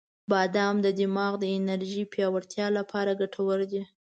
• بادام د دماغ د انرژی پیاوړتیا لپاره ګټور دی.